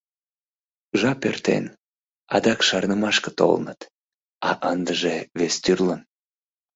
Жап эртен — адак шарнымашке толыныт, а ындыже вестӱрлын.